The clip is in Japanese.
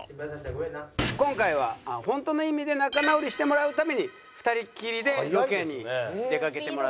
今回は本当の意味で仲直りしてもらうために２人きりでロケに出かけてもらった。